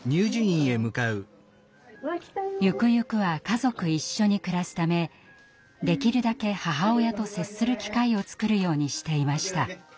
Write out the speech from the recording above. ゆくゆくは家族一緒に暮らすためできるだけ母親と接する機会を作るようにしていました。